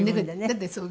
だってそう。